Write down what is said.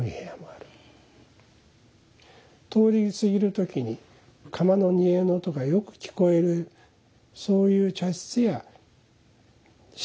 通り過ぎる時に釜の煮えの音がよく聞こえるそういう茶室や静かな茶室がある。